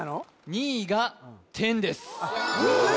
２位が天です